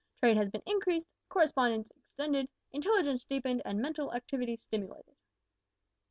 Trade has been increased, correspondence extended, intelligence deepened, and mental activity stimulated.